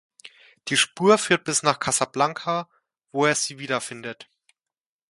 Die Spur führt bis nach Casablanca, wo er sie wiederfindet.